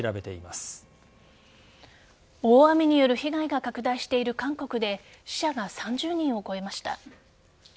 大雨による被害が拡大している韓国で死者が３０人を超えました。